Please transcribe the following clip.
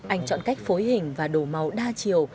anh chọn cách phối hình và đồ màu đa chiều